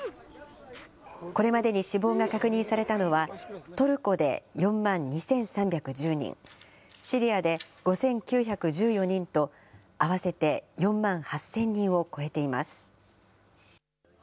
これまでに死亡が確認されたのは、トルコで４万２３１０人、シリアで５９１４人と、合わせて４万８０００人を超えています。